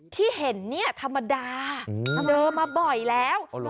ที่เห็นเนี่ยธรรมดาเจอมาบ่อยแล้ว